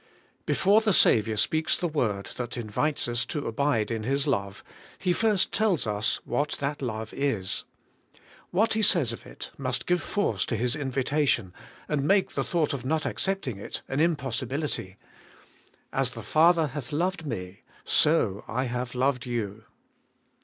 Before the Saviour speaks the word that invites us to abide in His love, He first tells us what that love is. What He says of it must give force to His invita tion, and make the thought of not accepting it an impossibility: 'As the Father hath loved me, so I have loved you!'